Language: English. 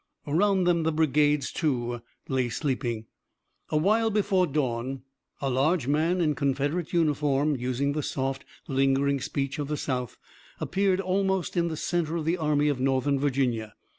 Around them the brigades, too, lay sleeping. A while before dawn a large man in Confederate uniform, using the soft, lingering speech of the South, appeared almost in the center of the army of Northern Virginia.